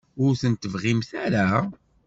Ur tent-tebɣimt ara?